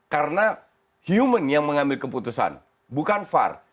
karena human yang mengambil keputusan bukan var